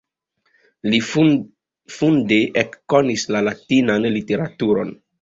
Li funde ekkonis la Latinan literaturon.